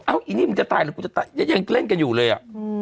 อ้าวอีนี่มันจะตายหรอยังเล่นกันอยู่เลย